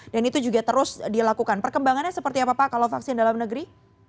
dan itu juga terus dilakukan perkembangannya seperti apa pak kalau vaksin dalam negeri